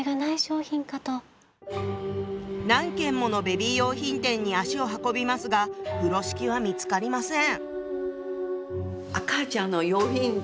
何軒ものベビー用品店に足を運びますが風呂敷は見つかりません。